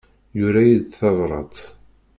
Yura-iyi-d tabrat.